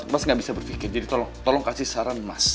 mas gak bisa berpikir jadi tolong kasih saran mas